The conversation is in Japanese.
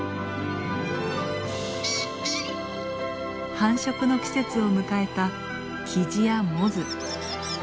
繁殖の季節を迎えたキジやモズ。